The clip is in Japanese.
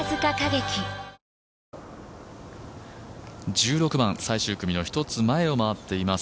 １６番最終組の１つ前を回っています